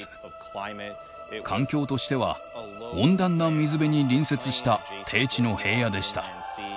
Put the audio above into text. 環境としては温暖な水辺に隣接した低地の平野でした。